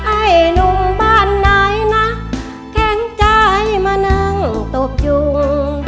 ไอ้หนุ่มบ้านไหนนะแข็งใจมานั่งตบยุง